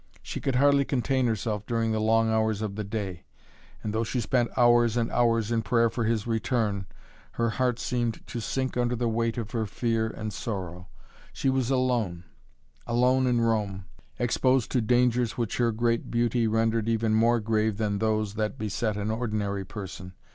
She could hardly contain herself during the long hours of the day, and though she spent hours and hours in prayer for his return, her heart seemed to sink under the weight of her fear and sorrow. She was alone alone in Rome exposed to dangers which her great beauty rendered even more grave than those that beset an ordinary person.